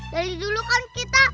dari dulu kan kita